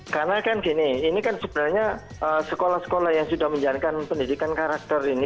karena kan gini ini kan sebenarnya sekolah sekolah yang sudah menjalankan pendidikan karakter ini